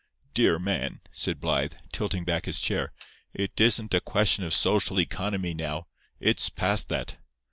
"Dear man," said Blythe, tilting back his chair, "it isn't a question of social economy now. It's past that.